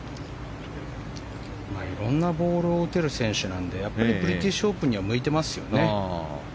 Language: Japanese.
いろんなボールを打てる選手なのでやっぱりブリティッシュオープンには向いてますよね。